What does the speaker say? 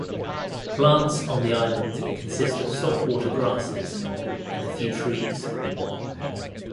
Plants on the island consist of salt-water grasses and a few trees.